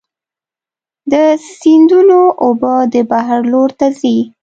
د سیندونو اوبه د بحر لور ته ځي.